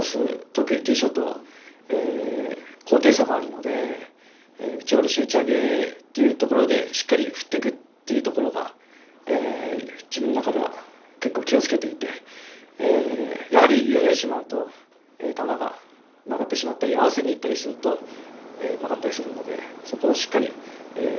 特にティーショット高低差があるので打ち下ろし打ち上げというところでしっかり振っていくというところが自分の中では結構気をつけていてやはり球が曲がってしまったり合わせにいったりすると曲がったりするのでそこをしっかり。